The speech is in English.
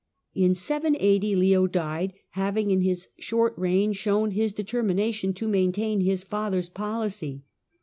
In 780 Leo died, having in his short reign shown his determination to maintain his father's policy.